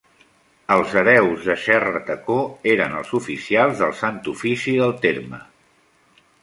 Els hereus de Serratacó eren els oficials del Sant Ofici del terme.